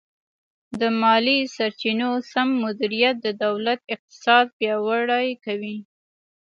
د مالي سرچینو سم مدیریت د دولت اقتصاد پیاوړی کوي.